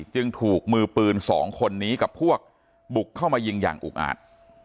จึงถูกมือปืน๒คนนี้กับพวกบุกเข้ามายิงอย่างอุกอาจ